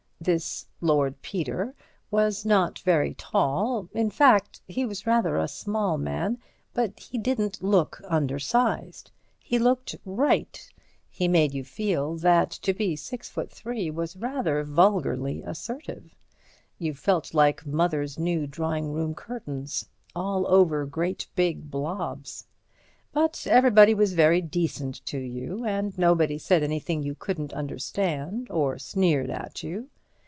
This Lord Peter was not very tall—in fact, he was rather a small man, but he didn't look undersized. He looked right; he made you feel that to be six foot three was rather vulgarly assertive; you felt like Mother's new drawing room curtains—all over great, big blobs. But everybody was very decent to you, and nobody said anything you couldn't understand, or sneered at you.